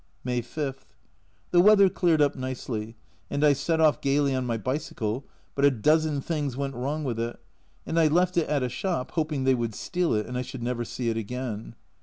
May 5. The weather cleared up nicely and I set off gaily on my bicycle, but a dozen things went wrong with it, and I left it at a shop, hoping they would steal it, and I should never see it again.